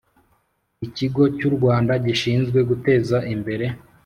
Ikigo cy u Rwanda gishinzwe guteza imbere